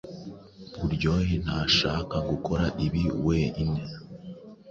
Buryohe ntashaka gukora ibi weine.